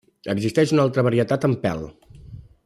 Existeix una altra varietat amb pèl.